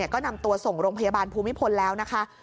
ก็นำตัวส่งโรงพยาบาลภูมิพลแล้วนะคะ